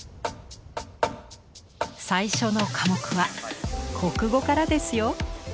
最初の科目は国語からですよ。